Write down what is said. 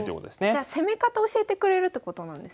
じゃ攻め方教えてくれるってことなんですね。